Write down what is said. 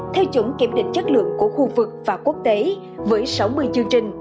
theo chuẩn kiểm định chất lượng của khu vực và quốc tế với sáu mươi chương trình